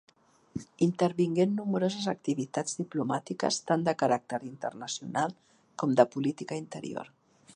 Intervingué en nombroses activitats diplomàtiques, tant de caràcter internacional com de política interior.